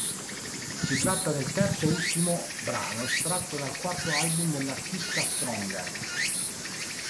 Si tratta del terzo e ultimo brano estratto dal quarto album dell'artista "Stronger".